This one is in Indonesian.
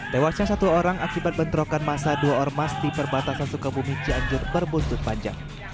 tewasnya satu orang akibat bentrokan masa dua ormas di perbatasan sukabumi cianjur berbuntut panjang